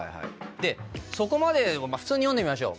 でそこまでを普通に読んでみましょう。